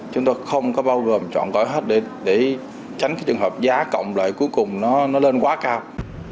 chúng tôi không có bao gồm trọn gói hết để tránh trường hợp giá cộng lại cuối cùng nó lên quá cao